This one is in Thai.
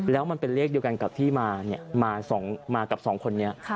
แล้วมันเป็นเรียกเดียวกันกับที่มาเนี่ยมากับ๒คนนี้